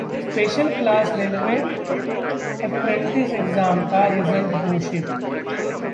special class railway apprentice exam का result घोषित